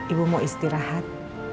ibu mau istirahat